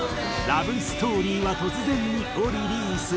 『ラブ・ストーリーは突然に』をリリース。